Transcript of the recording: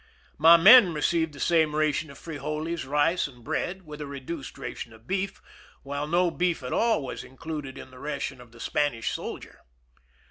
My men received the same ration of frijoles, rice, and bread, with a reduced ration of beef, while no beef at all was included in the ration of the Spanish soldier.